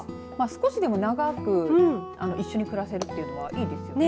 少しでも、長く一緒に暮らせるというのはいいですよね。